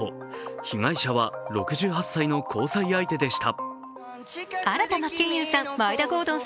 被害者は６８歳の交際相手でした。